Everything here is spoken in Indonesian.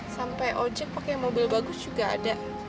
sampai ojek pakai mobil bagus juga ada